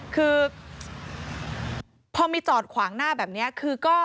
คือพอมีจอดขวางหน้าแบบนี้คือก็